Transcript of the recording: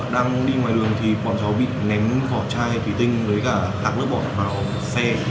đang đi ngoài đường thì bọn cháu bị ném vỏ chai tùy tinh với cả hạt nước bỏ vào xe